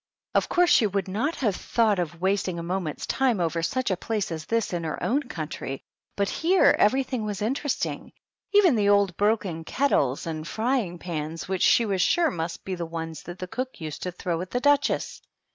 Of course she would not have thought of wasting a moment's time over such a place as this in her own country, but here everything was interesting; even the old broken kettles and frying pans which she was sure must be the ones that the cook used to throw at the Duchess.